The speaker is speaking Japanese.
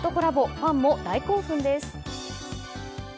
ファンも大興奮です。